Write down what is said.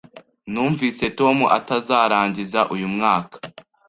Numvise Tom atazarangiza uyu mwaka.